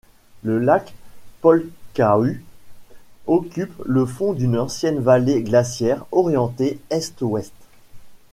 Le lac Polcahue occupe le fond d'une ancienne vallée glaciaire orientée est-ouest.